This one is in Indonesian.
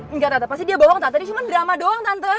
enggak rata pasti dia bohong tante cuma drama doang tante